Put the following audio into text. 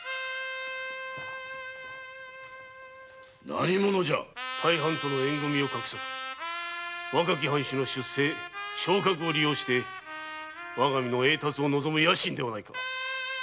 何者じゃ大藩との縁組を画策若き藩主の出世昇格を利用してわが身の栄達を望む野心ではないか。